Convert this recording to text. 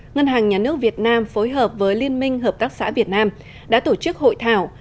ngân hàng nhà nước việt nam phối hợp với liên minh hợp tác xã việt nam đã tổ chức hội thảo